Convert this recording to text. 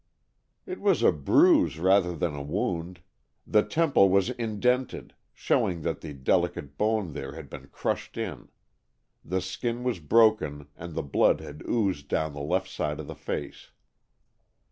"It was a bruise rather than a wound. The temple was indented, showing that the delicate bone there had been crushed in. The skin was broken, and the blood had oozed down the left side of the face."